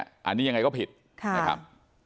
อันนี้ยังไงก็ผิดนะครับ